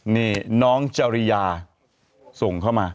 นี่น้องจริยาส่งเข้ามา